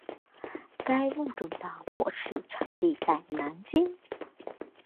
该物种的模式产地在南京。